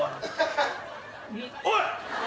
おい！